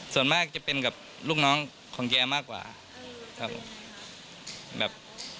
ส่วนมากจะเป็นกับลูกน้องของแย้มากกว่าครับแบบ